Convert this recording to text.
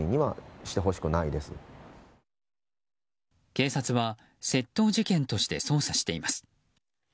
警察は窃盗事件として捜査しています。